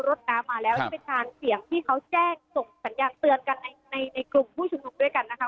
รถน้ำมาแล้วนี่เป็นการเสี่ยงที่เขาแจ้งส่งสัญญาณเตือนกันในในกลุ่มผู้ชุมนุมด้วยกันนะคะ